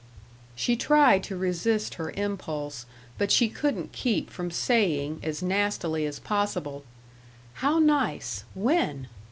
She tried to resist her impulse, but she couldn't keep from saying, as nastily as possible: "How nice. When?"